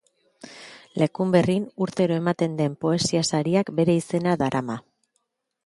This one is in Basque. Lekunberrin urtero ematen den poesia sariak bere izena darama.